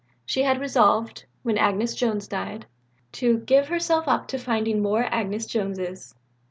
She had resolved, when Agnes Jones died, to "give herself up to finding more Agnes Joneses."